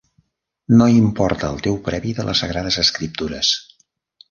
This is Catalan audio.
No importa el teu premi de les Sagrades Escriptures.